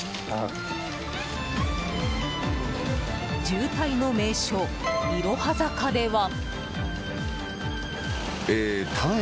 渋滞の名所いろは坂では。